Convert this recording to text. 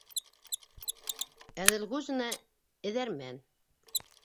Әҙелғужина - эҙәрмән.